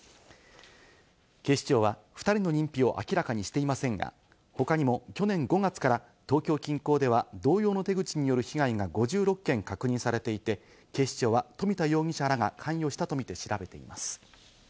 警視庁は２人の認否を明らかにしていませんが、他にも去年５月から、東京近郊では同様の手口による被害が５６件確認されていて、警視庁は冨田容疑者らが関与したとみて調べています。